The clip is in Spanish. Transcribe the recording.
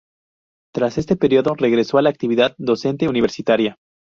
Tras este periodo regresó a la actividad docente universitaria.